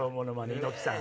猪木さん。